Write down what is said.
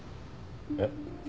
えっ？